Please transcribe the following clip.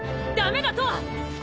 ダメだとわ！